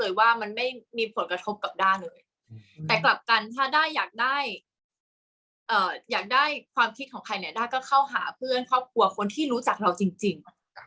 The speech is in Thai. อยากได้ความคิดของใครเนี่ยด้าก็เข้าหาเพื่อนครอบครัวคนที่รู้จักเราจริง